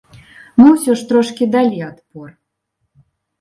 Мы ўсё ж трошкі далі адпор.